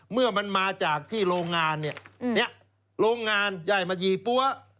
เมื่อมันมาจากที่โรงงานเนี้ยอืมเนี้ยโรงงานย่ายมายี่ปั๊ว